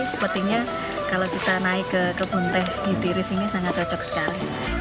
sepertinya kalau kita naik ke kebun teh di tiris ini sangat cocok sekali